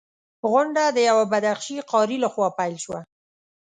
غونډه د یوه بدخشي قاري لخوا پیل شوه.